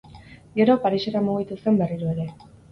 Gero, Parisera mugitu zen berriro ere.